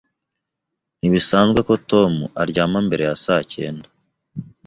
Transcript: Ntibisanzwe ko Tom aryama mbere ya saa cyenda.